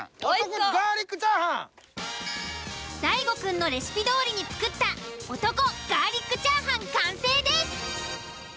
大悟くんのレシピどおりに作った男ガーリックチャーハン完成です。